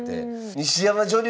西山女流